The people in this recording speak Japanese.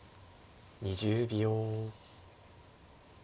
２０秒。